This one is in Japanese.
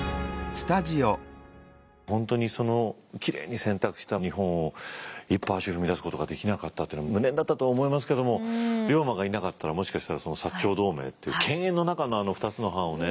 本当にそのきれいに洗濯した日本を一歩足踏み出すことができなかったというのは無念だったと思いますけども龍馬がいなかったらもしかしたらその長同盟っていう犬猿の仲のあの２つの藩をね